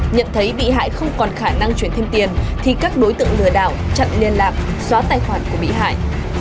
nhận thấy bị hại không còn khả năng chuyển thêm tiền thì các đối tượng lừa đảo chặn liên lạc xóa tài khoản của bị hại